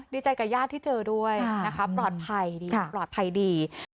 ดีใจกับญาติที่เจอด้วยปลอดภัยดี